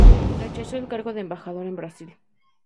Rechazó el cargo de embajador en Brasil.